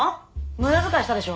無駄遣いしたでしょ。